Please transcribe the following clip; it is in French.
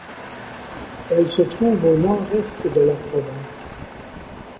Elle se trouve au nord-est de la province.